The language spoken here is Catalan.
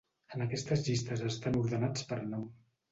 En aquestes llistes estan ordenats per nom.